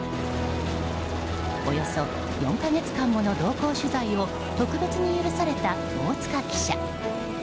およそ４か月間もの同行取材を特別に許された大塚記者。